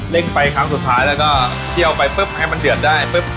่งไปครั้งสุดท้ายแล้วก็เที่ยวไปปุ๊บให้มันเดือดได้ปุ๊บ